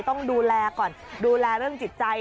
ต้องดูแลก่อนดูแลเรื่องจิตใจ